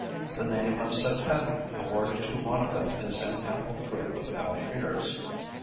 The name of Satanic awarded to one of them is an ample proof of our fears.